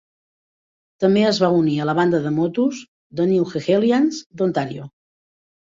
També es va unir a la banda de motos The New Hegelians d'Ontario.